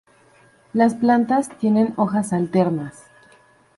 Las plantas tienen hojas alternas.